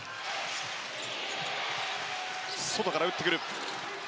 外から打ってくる。